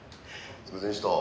すいませんでした」